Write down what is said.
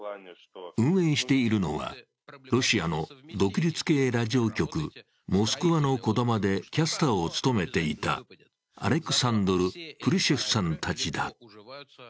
運営しているのはロシアの独立系ラジオ局、モスクワのこだまでキャスターを務めていたアレクサンドル・プリュシェフさんたちだ。